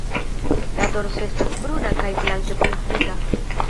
La dorso estas bruna kaj blanke punktita.